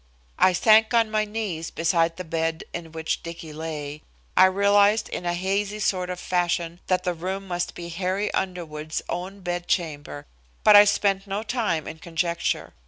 I sank on my knees beside the bed in which Dicky lay. I realized in a hazy sort of fashion that the room must be Harry Underwood's own bed chamber, but I spent no time in conjecture.